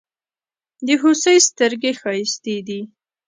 د هوسۍ ستړگي ښايستې دي.